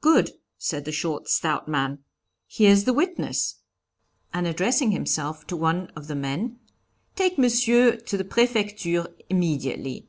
'Good,' said the short, stout man, 'Here's the witness!' and, addressing himself to one of the men, 'Take Monsieur to the Prefecture immediately.'